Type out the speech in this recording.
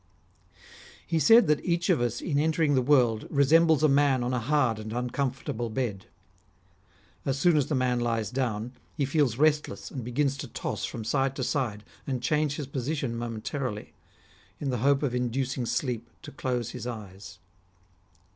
He said that each of us in entering^ the world resembles a man on a hard and uncomfortable bed. As soon as the man lies down, he feels restless and begins to toss from side to side and change his position momentarily, in the hope of inducing sleep to close his eyes.